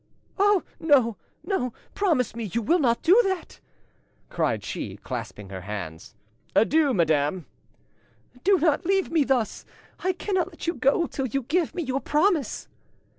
"Oh no! no! Promise me you will not do that!" cried she, clasping her hands. "Adieu, madame." "Do not leave me thus! I cannot let you go till you give me your promise!"